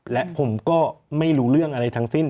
และผมก็ไม่รู้เรื่องอะไรทั้งสิ้น